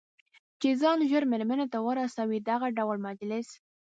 چې ځان ژر مېرمنې ته ورسوي، دغه ډول مجلس.